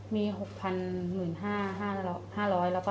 มี๖๕๐๐แล้วก็๓๑๐๐๐แล้วก็๙๓๐๐๐